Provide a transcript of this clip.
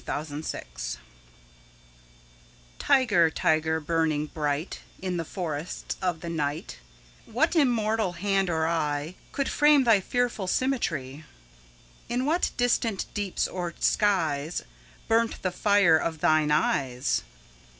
The Tiger TIGER, tiger, burning bright In the forests of the night, What immortal hand or eye Could frame thy fearful symmetry? In what distant deeps or skies 5 Burnt the fire of thine eyes?